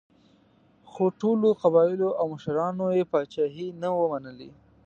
خو ټولو قبایلو او مشرانو یې پاچاهي نه وه منلې.